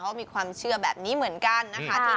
เขามีความเชื่อแบบนี้เหมือนกันนะคะ